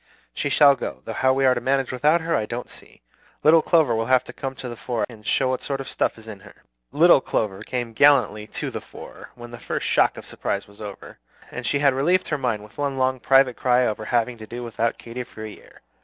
She shall go; though how we are to manage without her I don't see. Little Clover will have to come to the fore, and show what sort of stuff there is in her." "Little Clover" came gallantly "to the fore" when the first shock of surprise was over, and she had relieved her mind with one long private cry over having to do without Katy for a year.